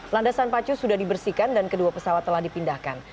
landasan pacu sudah dibersihkan dan kedua pesawat telah dipindahkan